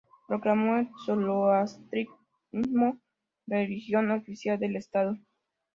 Proclamó el zoroastrismo religión oficial del estado.